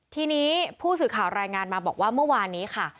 ทีนี้ผู้สื่อข่าวรายงานมาบอกว่าเมื่อวานนี้ค่ะ